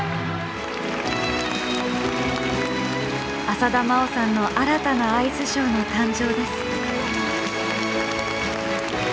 浅田真央さんの新たなアイスショーの誕生です。